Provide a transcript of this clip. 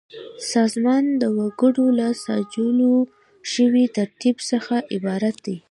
سازمان د وګړو له سنجول شوي ترتیب څخه عبارت دی.